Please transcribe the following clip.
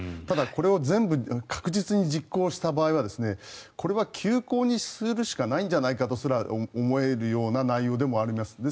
ただ、これを全部確実に実行した場合はこれは休校にするしかないんじゃないかとすら思えるような内容でもあります。